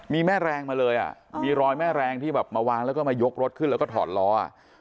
มีแม่แรงมาเลยอ่ะมีรอยแม่แรงที่แบบมาวางแล้วก็มายกรถขึ้นแล้วก็ถอดล้ออ่ะ